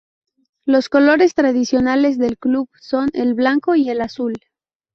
Los colores tradicionales del club son el blanco y el azul.